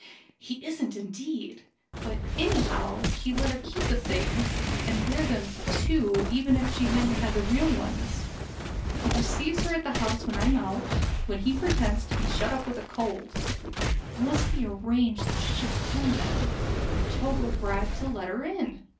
"He isn't, indeed! But, anyhow, he let her keep the things and wear them, too; even if she never had the real ones. He receives her at the house when I'm out when he pretends to be shut up with a cold. It must have been arranged that she should come then, and Togo bribed to let her in.